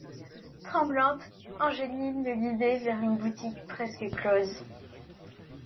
Tremblante, Angeline le guidait vers une boutique presque close.